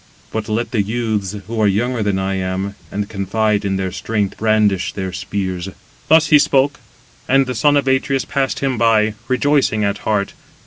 But let the youths, who are younger than I am, and confide in their strength, brandish their spears." Thus he spoke; and the son of Atreus passed him by, rejoicing at heart.